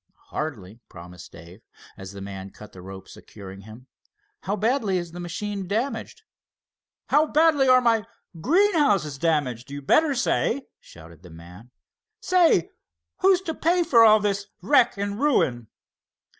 "Hardly," promised Dave, as the man cut the ropes securing him. "How badly is the machine damaged?" "How badly are my greenhouses damaged, you'd better say!" shouted the man. "Say, who's to pay for all this wreck and ruin?"